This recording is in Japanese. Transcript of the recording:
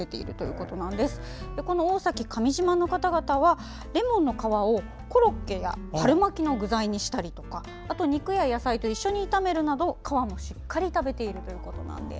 この大崎上島の方々はレモンの皮をコロッケや春巻きの具材にしたり肉や野菜と一緒に食べるなど皮もしっかり食べているということです。